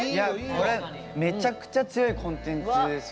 これめちゃくちゃ強いコンテンツですよ。